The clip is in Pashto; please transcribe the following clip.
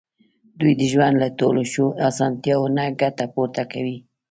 دوی د ژوند له ټولو ښو اسانتیاوو نه ګټه پورته کوي.